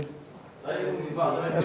cái này là cái gì